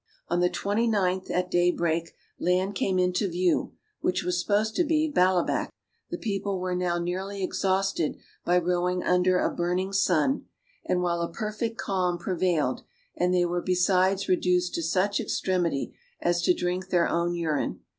On the 29th at day break, land came in view, which was supposed to be Balabac; the people were now nearly exhausted by rowing under a burning sun, and while a perfect calm prevailed; and they were besides reduced to such extremity as to drink their own urine.